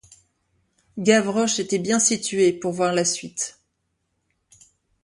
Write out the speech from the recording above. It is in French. Gavroche était bien situé pour voir la suite.